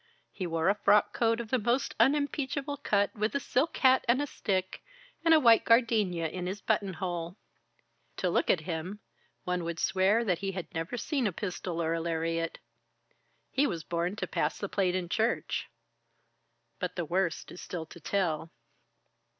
He wore a frock coat of the most unimpeachable cut, with a silk hat and a stick, and a white gardenia in his buttonhole. To look at him, one would swear that he had never seen a pistol or a lariat. He was born to pass the plate in church. But the worst is still to tell.